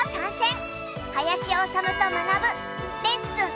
林修と学ぶ『レッスン！